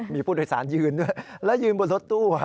มีผู้โดยสารยืนด้วยแล้วยืนบนรถตู้